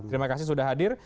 terima kasih sudah hadir